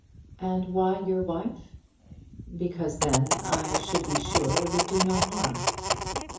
"And why your wife?" "Because then I should be sure it would do no harm."